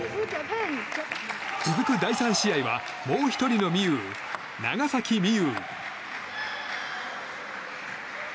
続く第３試合はもう１人のみゆう、長崎美柚。